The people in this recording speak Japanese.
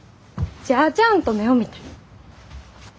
じゃあちゃんと目を見て。